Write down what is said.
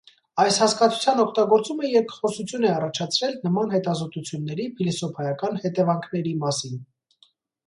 Այս հասկացության օգտագործումը երկխոսություն է առաջացրել նման հետազոտությունների փիլիսոփայական հետևանքների մասին։